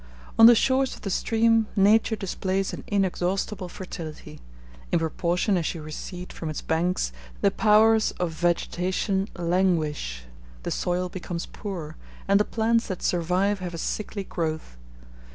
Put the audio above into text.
On the shores of the stream nature displays an inexhaustible fertility; in proportion as you recede from its banks, the powers of vegetation languish, the soil becomes poor, and the plants that survive have a sickly growth.